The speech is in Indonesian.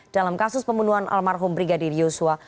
dalam kasus pembunuhan almarhum brigadir yosua